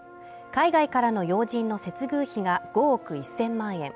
海外からの要人の接遇費が５億１０００万円